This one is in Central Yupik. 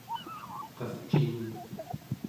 qavcin